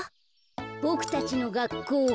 ボクたちのがっこう。